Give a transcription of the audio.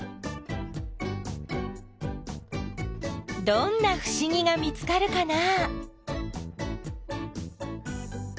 どんなふしぎが見つかるかな？